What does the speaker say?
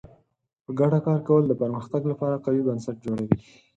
په ګډه کار کول د پرمختګ لپاره قوي بنسټ جوړوي.